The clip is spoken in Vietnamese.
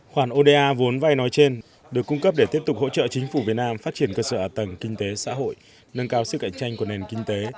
khoản oda vốn vay nói trên được cung cấp để tiếp tục hỗ trợ chính phủ việt nam phát triển cơ sở ả tầng kinh tế xã hội nâng cao sức cạnh tranh của nền kinh tế